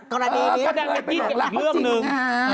กระเทยเป็นโหตรรักเขาจริง